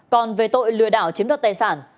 còn về tội lừa đảo chiếm đoạt tài sản